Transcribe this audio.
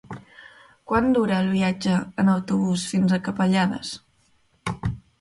Quant dura el viatge en autobús fins a Capellades?